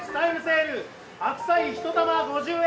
白菜１玉５０円。